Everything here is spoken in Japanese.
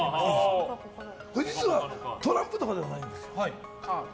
実はトランプとかではないんです。